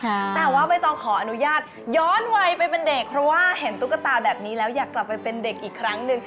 แต่ว่าใบตองขออนุญาตย้อนวัยไปเป็นเด็กเพราะว่าเห็นตุ๊กตาแบบนี้แล้วอยากกลับไปเป็นเด็กอีกครั้งหนึ่ง